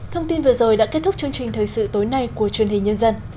thông tin vừa rồi đã kết thúc chương trình thời sự tối nay của truyền hình nhân dân